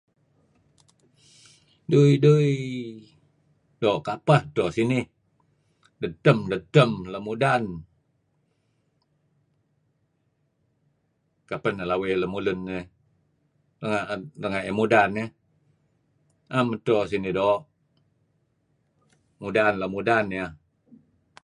Dui-dui... dôoo' kapeh edito sinih doo'? Dedtem-detem leh mudam. Kapeh neh lawey lemulun iih renga' ieh mudan iih . Na'em edto sinih doo'. Mudan ... leh mudan ieh.